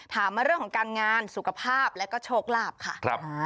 มาเรื่องของการงานสุขภาพแล้วก็โชคลาภค่ะ